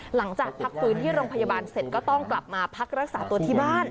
หลังจากพักฟื้นที่โรงพยาบาลเสร็จก็ต้องกลับมาพักรักษาตัวที่บ้าน